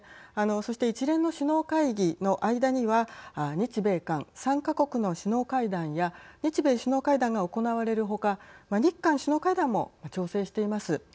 そして一連の首脳会議の間には日米韓３か国の首脳会談や日米首脳会談が行われる他日韓首脳会談も調整しています。